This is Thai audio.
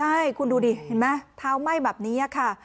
ใช่คุณดูดิเห็นไหมเท้าไหม้แบบนี้ค่ะ